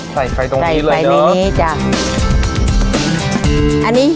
ใส่ไฟตรงนี้เลยเหรอใส่ไฟในนี้จ้ะใส่ไฟตรงนี้เลย